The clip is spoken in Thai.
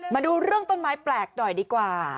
มาดูเรื่องต้นไม้แปลกหน่อยดีกว่า